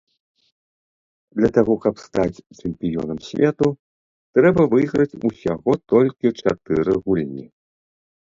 Для таго каб стаць чэмпіёнам свету, трэба выйграць усяго толькі чатыры гульні.